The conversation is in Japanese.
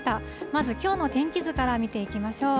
まずきょうの天気図から見ていきましょう。